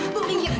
kamu mau kevin